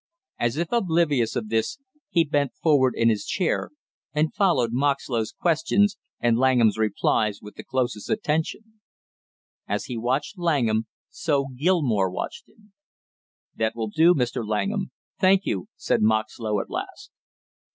As if oblivious of this he bent forward in his chair and followed Moxlow's questions and Langham's replies with the closest attention. And as he watched Langham, so Gilmore watched him. "That will do, Mr. Langham. Thank you," said Moxlow at last.